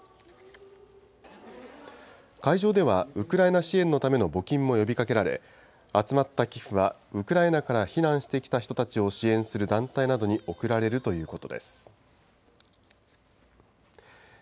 会場では、ウクライナ支援のための募金も呼びかけられ、集まった寄付はウクライナから避難してきた人たちを支援する団体などに送られるということです。